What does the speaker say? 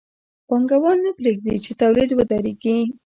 پانګوال نه پرېږدي چې تولید ودرېږي